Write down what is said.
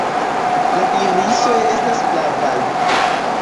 La irisoj estas flavaj.